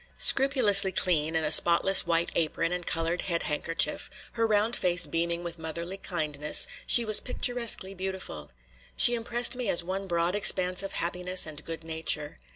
Scrupulously clean, in a spotless white apron and colored head handkerchief, her round face beaming with motherly kindness, she was picturesquely beautiful. She impressed me as one broad expanse of happiness and good nature.